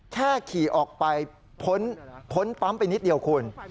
แค่ขี่ออกไปพ้นปั๊มไปนิดเดียวคุณ